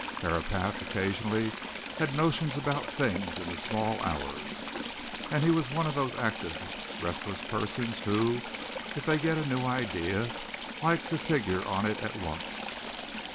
Herapath occasionally had notions about things in the small hours, and he was one of those active, restless persons who, if they get a new idea, like to figure on it at once.